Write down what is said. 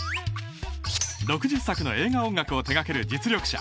６０作の映画音楽を手がける実力者